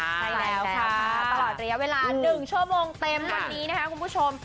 ใช่แล้วค่ะตลอดระยะเวลา๑ชั่วโมงเต็มวันนี้นะคะคุณผู้ชม